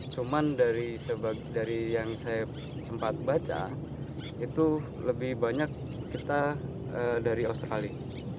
cuman dari yang saya sempat baca itu lebih banyak kita dari australia